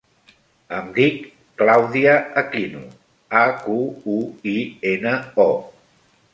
Em dic Clàudia Aquino: a, cu, u, i, ena, o.